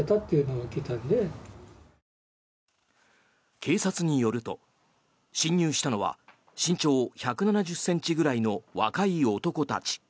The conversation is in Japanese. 警察によると、侵入したのは身長１７０ｃｍぐらいの若い男たち。